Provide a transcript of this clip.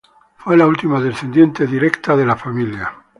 Fue la última descendiente directa de la familia.